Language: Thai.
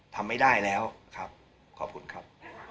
ทำไม่ได้แล้วครับขอบคุณครับ